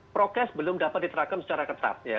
prokes belum dapat diterakam secara ketat ya